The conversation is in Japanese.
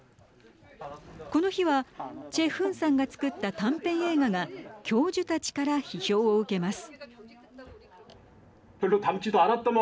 この日はチェ・フンさんが作った短編映画が教授たちから批評を受けます。